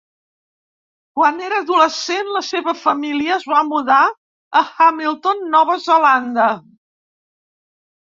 Quan era adolescent la seva família es va mudar a Hamilton, Nova Zelanda.